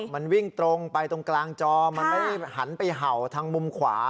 มันวิ่งตรงไปตรงกลางจอมันไม่ได้หันไปเห่าทางมุมขวา